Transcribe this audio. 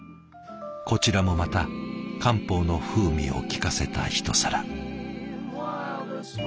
こちらもまた漢方の風味を効かせたひと皿。